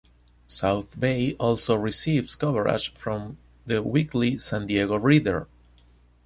South Bay also receives coverage from the weekly San Diego Reader.